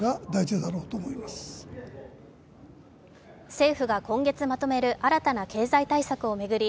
政府が今月まとめる新たな経済対策を巡り